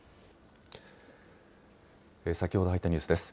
先ほど入ったニュースです。